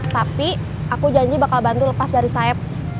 tapi aku janji bakal bantu lepas dari sayap